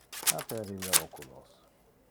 Aperi le oculos.